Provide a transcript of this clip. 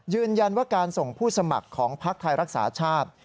ยืนยันว่าการส่งผู้สมัครของพักไทยรักษาชาติ